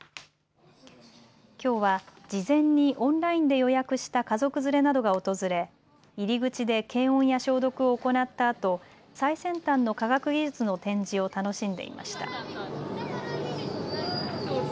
きょうは事前にオンラインで予約した家族連れなどが訪れ入り口で検温や消毒を行ったあと最先端の科学技術の展示を楽しんでいました。